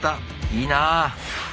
いいなあ。